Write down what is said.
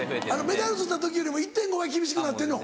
メダル取った時よりも１．５倍厳しくなってんの？